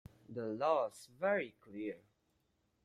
The law is very clear.